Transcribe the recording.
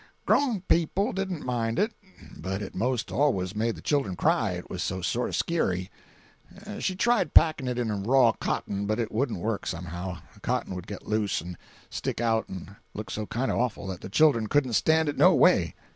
"Grown people didn't mind it, but it most always made the children cry, it was so sort of scary. She tried packing it in raw cotton, but it wouldn't work, somehow—the cotton would get loose and stick out and look so kind of awful that the children couldn't stand it no way.